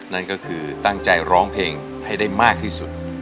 นั่นก็คือตั้งใจร้องเพลงให้ได้มากที่สุด